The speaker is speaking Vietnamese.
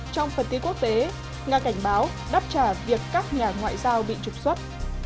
trong phần tin quốc tế nga cảnh báo đáp trả việc các nhà ngoại giao bị trục xuất